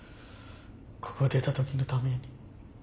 ここ出た時のために。